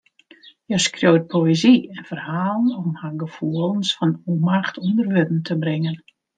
Hja skriuwt poëzy en ferhalen om har gefoelens fan ûnmacht ûnder wurden te bringen.